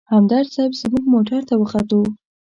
همدرد صیب زموږ موټر ته وختو.